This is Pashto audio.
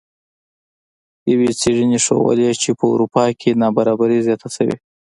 یوې څیړنې ښودلې چې په اروپا کې نابرابري زیاته شوې